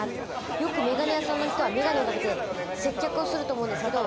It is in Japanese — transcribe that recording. よく眼鏡屋さんの人は眼鏡をかけて接客すると思うんですけれども。